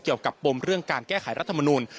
เกี่ยวกับปมเรื่องการแก้ไขรัฐมนุน